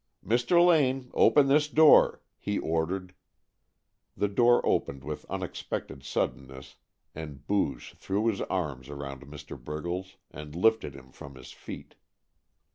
"Mr. Lane, open this door!" he ordered. The door opened with unexpected suddenness and Booge threw his arms around Mr. Briggles and lifted him from his feet.